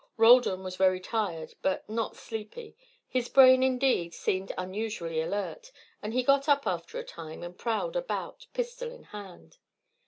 Roldan was very tired but not sleepy. His brain, indeed, seemed unusually alert, and he got up after a time and prowled about, pistol in hand.